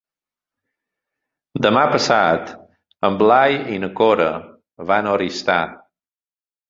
Demà passat en Blai i na Cora van a Oristà.